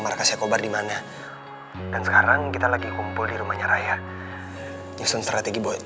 mereka sekobar dimana dan sekarang kita lagi kumpul di rumahnya raya justru strategi buat